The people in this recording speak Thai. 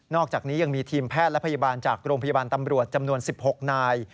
อกจากนี้ยังมีทีมแพทย์และพยาบาลจากโรงพยาบาลตำรวจจำนวน๑๖นาย